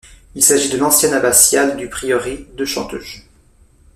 Il s'agit de l'ancienne abbatiale du prieuré de Chanteuges.